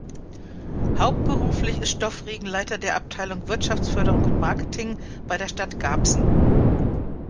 Hauptberuflich ist Stoffregen Leiter der Abteilung Wirtschaftsförderung und Marketing bei der Stadt Garbsen.